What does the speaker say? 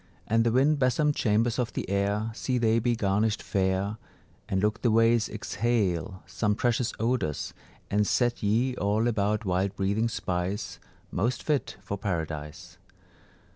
And the wind besomed chambers of the air, See they be garnished fair; And look the ways exhale some precious odours, And set ye all about wild breathing spice, Most fit for Paradise.